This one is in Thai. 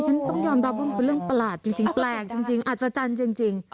ฉันต้องยอมรับว่ามันเป็นเรื่องประหลาดจริงแปลกจริงอัศจรรย์จริง